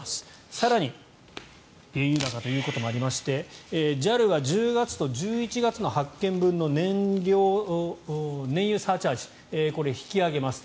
更に、原油高ということもありましてＪＡＬは１０月と１１月の発券分の燃油サーチャージこれ、引き上げます。